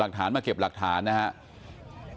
หลักฐานมาเก็บหลักฐานนะครับ